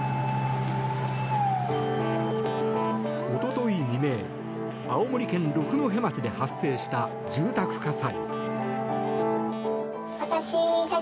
一昨日未明、青森県六戸町で発生した住宅火災。